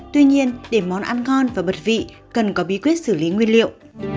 tuy nhiên để món ăn ngon và bật vị cần có bí quyết xử lý nguyên liệu